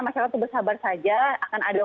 masyarakat itu bersabar saja akan ada